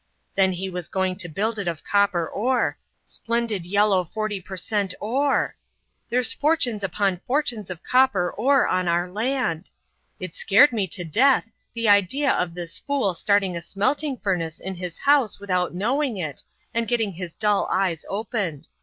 Then he was going to build it of copper ore splendid yellow forty per cent. ore! There's fortunes upon fortunes of copper ore on our land! It scared me to death, the idea of this fool starting a smelting furnace in his house without knowing it, and getting his dull eyes opened.